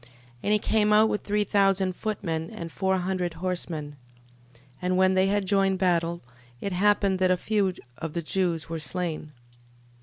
12:33. And he came out with three thousand footmen and four hundred horsemen. 12:34. And when they had joined battle, it happened that a few of the Jews were slain.